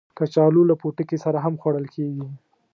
کچالو له پوټکي سره هم خوړل کېږي